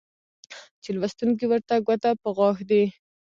چې لوستونکى ورته ګوته په غاښ دى